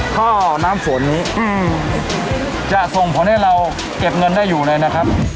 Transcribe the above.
ท่อน้ำฝนนี้จะส่งผลให้เราเก็บเงินได้อยู่เลยนะครับ